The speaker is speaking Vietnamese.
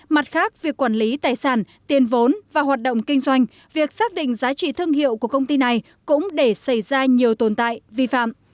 mặt khác việc quản lý tài sản tiền vốn và hoạt động kinh doanh việc xác định giá trị thương hiệu của công ty này cũng để xảy ra nhiều tồn tại vi phạm